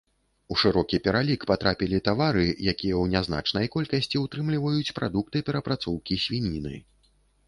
У шырокі пералік патрапілі тавары, якія ў нязначнай колькасці ўтрымліваюць прадукты перапрацоўкі свініны.